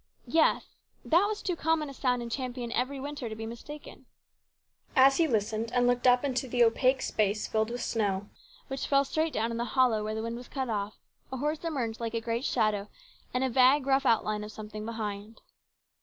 Yes, that was too common a sound in Champion every winter to be mistaken. As he listened, and looked up into the opaque space filled with snow, which fell straight down in the hollow where the wind was cut off, a horse emerged like a great shadow and a vague rough outline of some thing behind.